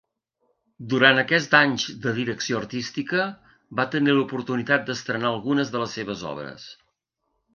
Durant aquests anys de direcció artística, va tenir l'oportunitat d'estrenar algunes de les seves obres.